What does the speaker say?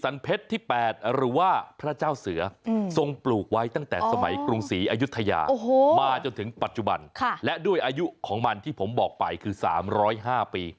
มาจนถึงปัจจุบันและด้วยอายุของมันที่ผมบอกไปคือ๓๐๕ปี